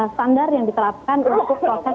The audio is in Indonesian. standar yang diterapkan untuk proses